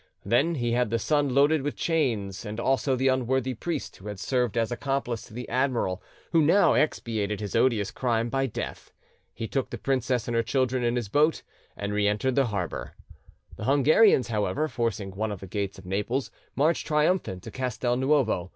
Then he had the son loaded with chains, and also the unworthy priest who had served as accomplice to the admiral, who now expiated his odious crime by death. He took the princess and her children in his boat, and re entered the harbour. The Hungarians, however, forcing one of the gates of Naples, marched triumphant to Castel Nuovo.